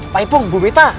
pak ipung bu betta